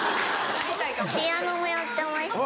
ピアノもやってました。